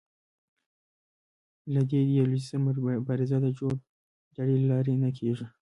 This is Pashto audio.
له دې ایدیالوژۍ سره مبارزه د جوړ جاړي له لارې نه کېږي